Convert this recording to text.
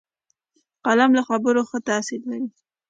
قلم له خبرو ښه تاثیر لري